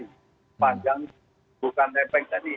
yang panjang bukan nepek tadi